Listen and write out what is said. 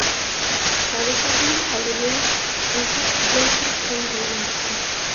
پادىشاھنىڭ ئالدىدىن ئوزۇق زىنھار كەم بولمايدىكەن.